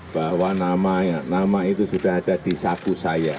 bahwa nama itu sudah ada di sagu saya